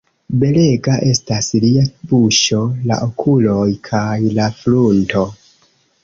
Belega estas lia buŝo, la okuloj kaj la frunto.